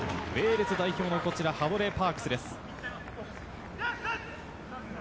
ウェールズ代表のハドレー・パークスです。